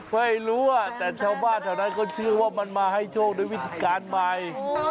ไม่รู้แต่ชาวบ้านแถวนั้นเขาเชื่อว่ามันมาให้โชคด้วยวิธีการใหม่